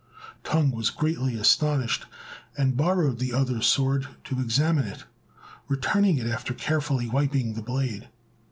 Tung was greatly astonished, and borrowed the other's sword to examine it, returning it after carefully wiping the blade.